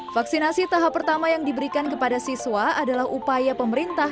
vaksinasi tahap pertama yang diberikan kepada siswa adalah upaya pemerintah